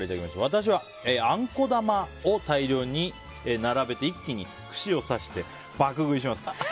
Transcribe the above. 私は、あんこ玉を大量に並べて一気に串を刺して爆食いします。